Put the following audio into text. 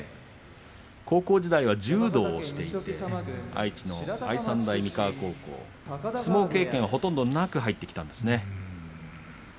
高校時代は柔道をしていて愛産大三河高校相撲経験はほとんどなく入ってきました。